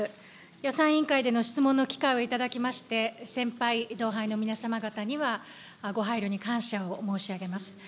予算委員会での質問の機会を頂きまして、先輩、同輩の皆様方にはご配慮に感謝を申し上げます。